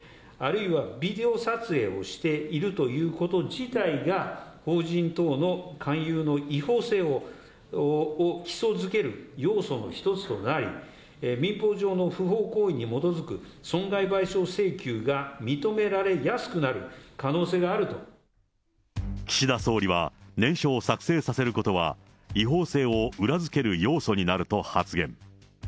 念書を作成させ、あるいはビデオ撮影をしていること自体が、法人等の勧誘の違法性を基礎づける要素の一つとなり、民法上の不法行為に基づく損害賠償請求が認められやすくなる可能岸田総理は、念書を作成させることは、違法性を裏付ける要素になると発言。